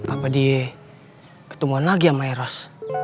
apa dia ketemuan lagi sama eros